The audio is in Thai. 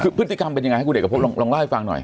คือพฤติกรรมเป็นยังไงให้กูเด็กกระโพกลองไล่ฟังหน่อย